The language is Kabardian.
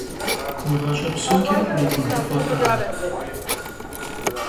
Уи гъащӀэ псокӀэ пхурикъун дыргъуэкъэ ар?!